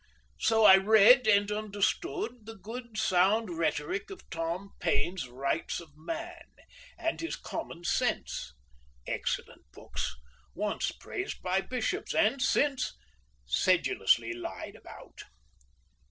So I read and understood the good sound rhetoric of Tom Paine's "Rights of Man," and his "Common Sense," excellent books, once praised by bishops and since sedulously lied about.